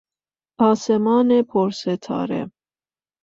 آسمان پرستاره